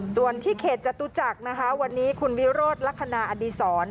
ส่วนที่เขตจตุจักรนะคะวันนี้คุณวิโรธลักษณะอดีศร